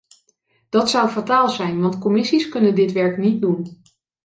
Dat zou fataal zijn, want commissies kunnen dit werk niet doen.